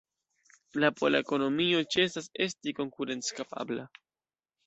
La pola ekonomio ĉesas esti konkurenckapabla.